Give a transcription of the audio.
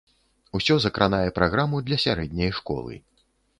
Усё закранае праграму для сярэдняй школы.